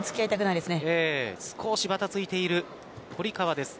少しバタついている堀川です。